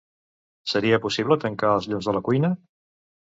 Seria possible tancar els llums de la cuina?